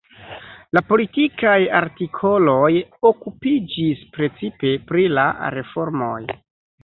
La politikaj artikoloj okupiĝis precipe pri la reformoj.